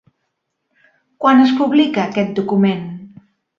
Quan es publica aquest document?